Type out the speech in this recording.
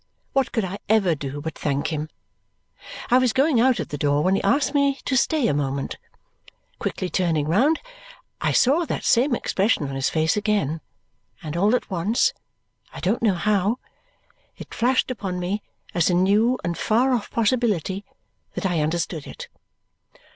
What could I ever do but thank him! I was going out at the door when he asked me to stay a moment. Quickly turning round, I saw that same expression on his face again; and all at once, I don't know how, it flashed upon me as a new and far off possibility that I understood it.